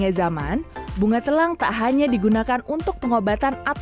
iya sampai setengahnya ini aja mungkin cukup